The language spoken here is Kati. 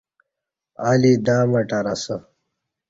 الی دا مٹر اسہ۔